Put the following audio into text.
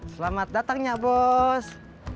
selamat datangnya bos